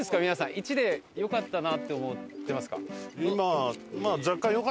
「１」でよかったなって思ってますか？